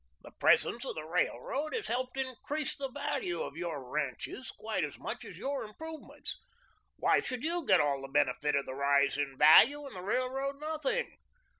The presence of the railroad has helped increase the value of your ranches quite as much as your improvements. Why should you get all the benefit of the rise in value and the railroad nothing?